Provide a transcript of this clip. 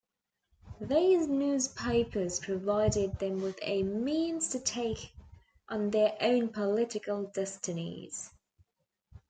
These newspapers provided them with a means to take on their own political destinies.